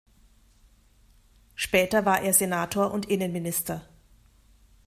Später war er Senator und Innenminister.